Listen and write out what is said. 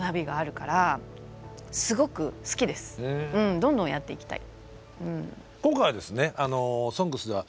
どんどんやっていきたい。